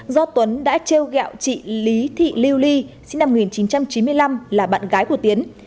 do tuấn đã treo gẹo chị lý thị liêu ly sinh năm một nghìn chín trăm chín mươi năm là bạn gái của tiến